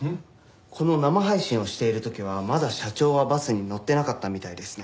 この生配信をしている時はまだ社長はバスに乗ってなかったみたいですね。